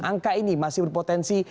angka ini masih berpotensi